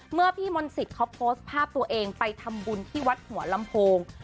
เมื่อพี่มนต์สิทธิ์เขาโพสต์ภาพตัวเองไปทำบุญที่วัดหัวลำโพง